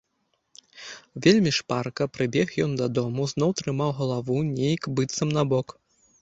Вельмі шпарка прыбег ён дадому, зноў трымаў галаву нейк быццам набок.